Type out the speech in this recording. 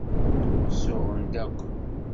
Suɣen-d akk.